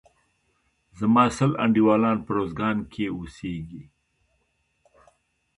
زما سل انډيوالان په روزګان کښي اوسيږي.